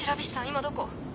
今どこ？